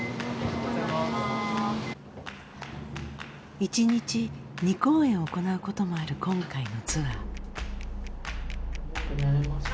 １日２公演行うこともある今回のツアー。